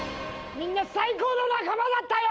みんな最高の仲間だったよ